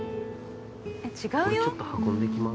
これちょっと運んできます